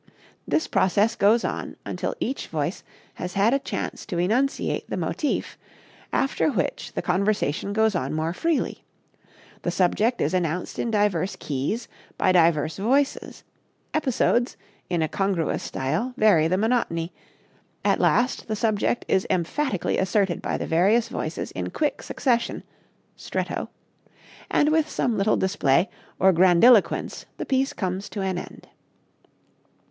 This process goes on until each voice has had a chance to enunciate the motif, after which the conversation goes on more freely; the subject is announced in divers keys, by divers voices; episodes, in a congruous style, vary the monotony; at last the subject is emphatically asserted by the various voices in quick succession (stretto), and with some little display or grandiloquence the piece comes to an end."